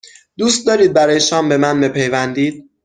دوست دارید برای شام به من بپیوندید؟